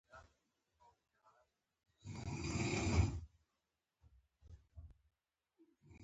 متل دی: تربور د خوټونه ونیسه خولرې یې کړه.